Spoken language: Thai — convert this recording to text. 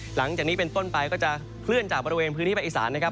หลังจากนี้เป็นต้นไปก็จะเคลื่อนจากบริเวณพื้นที่ภาคอีสานนะครับ